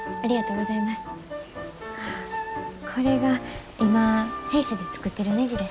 これが今弊社で作ってるねじです。